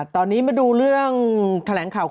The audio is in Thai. ชอบซื้อทอง